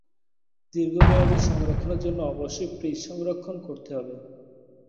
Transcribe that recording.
দীর্ঘমেয়াদি সংরক্ষণের জন্য অবশ্যই ফ্রিজ সংরক্ষণ করতে হবে।